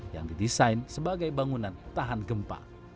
yang didesain sebagai bangunan tahan gempa